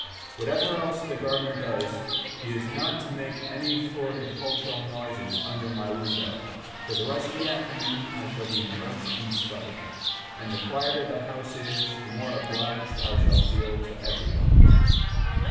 whatever else the gardener does, he is not to make any floricultural noises under my window. For the rest of the afternoon I shall be immersed in study—and the quieter the house is, the more obliged I shall feel to everybody."